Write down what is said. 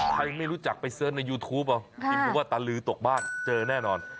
ใครไม่รู้จักไปเสิร์ชในยูทูปยิงว่าตาลือตกบ้านเจอแน่นอน